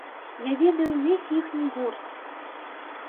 Я ведаю ўвесь іхні гурт.